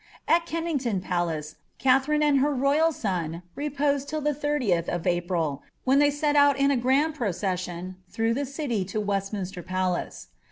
At Kennington Palace, Katherine and her royul son reposed till the 30th of April, when they set out on a grand procession through the city to Westminster Palace.